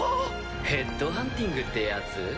ヘッドハンティングってやつ？